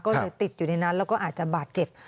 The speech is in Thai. ก็เลยติดอยู่ในนั้นแล้วก็อาจจะบาดเจ็บ